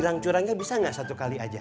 hilang curangnya bisa gak satu kali aja